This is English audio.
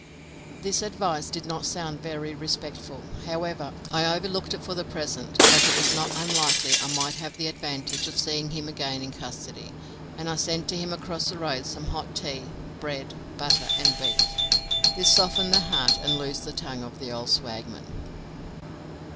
This advice did not sound very respectful; however, I overlooked it for the present, as it was not unlikely I might have the advantage of seeing him again in custody, and I sent to him across the road some hot tea, bread, butter, and beef. This softened the heart and loosed the tongue of the old swagman.